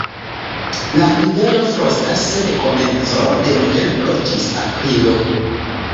La rivero frostas de komenco de novembro ĝis aprilo.